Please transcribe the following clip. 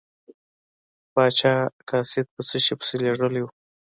پاچا قاصد په څه شي پسې لیږلی و.